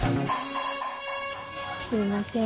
すいません